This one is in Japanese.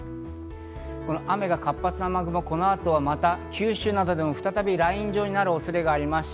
雨が活発な雨雲がこの後、九州などでも再びライン状になる恐れがあります。